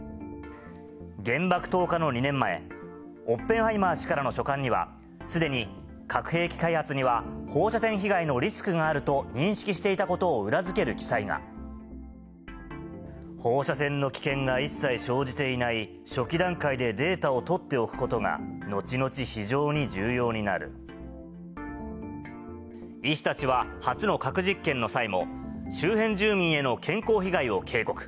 原爆投下の２年前、オッペンハイマー氏からの書簡には、すでに核兵器開発には放射線被害のリスクがあると認識していたこ放射線の危険が一切生じていない初期段階でデータを取ってお医師たちは、初の核実験の際も、周辺住民への健康被害を警告。